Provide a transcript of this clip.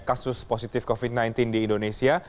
kasus positif covid sembilan belas di indonesia